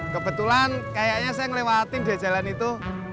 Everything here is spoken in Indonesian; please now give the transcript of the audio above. kebetulan kayaknya saya ngelewatin dia jalan itu